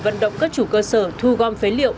vận động các chủ cơ sở thu gom phế liệu